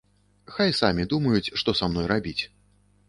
Хай самі думаюць, што са мной рабіць.